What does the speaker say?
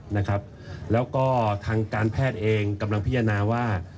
นะครับแล้วก็ทางการแพทย์เองกำลังพิจารณาว่า